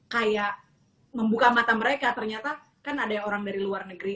kayak membuka mata mereka ternyata kan ada yang orang dari luar negeri